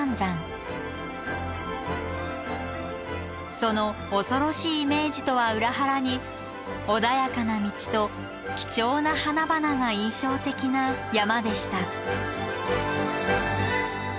その恐ろしいイメージとは裏腹に穏やかな道と貴重な花々が印象的な山でした。